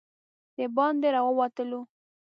د باندې راووتلو.